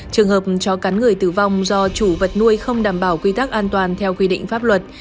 trường hợp chó cắn người tử vong do chủ vật nuôi không đảm bảo quy tắc an toàn theo quy định pháp luật